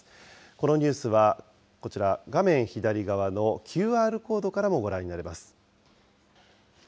このニュースはこちら、画面左側のＱＲコードからもご覧になれます。